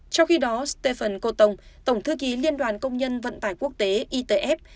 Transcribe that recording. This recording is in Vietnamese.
trong khi đó stephen côton tổng thư ký liên đoàn công nhân vận tải quốc tế itf